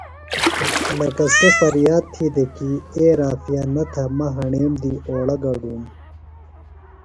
لکہ سےۡ فریاد تھی دےۡ کی اے رافعہ نہ تھہ مہ ہݨیم دی اوڑہ گڈُوم۔